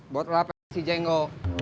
buat lapen si jengko